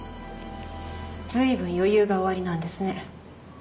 随分余裕がおありなんですね？